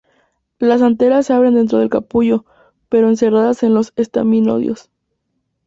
Las anteras se abren dentro del capullo, pero encerradas en los estaminodios.